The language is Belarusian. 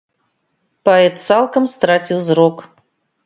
Паэт цалкам страціў зрок.